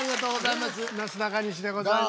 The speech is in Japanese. なすなかにしでございます。